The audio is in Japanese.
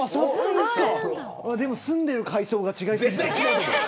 でも住んでる階層が違いすぎて。